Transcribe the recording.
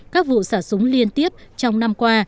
các vụ xả súng liên tiếp trong năm qua